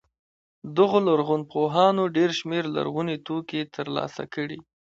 دغو لرغونپوهانو ډېر شمېر لرغوني توکي تر لاسه کړي.